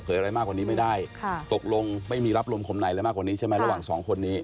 ใช่ตกลงไม่มีรับรวมคมในมากกว่านี้ใช่ไหมระหว่างสองคนนี้